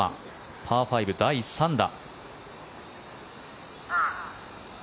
パー５第３打。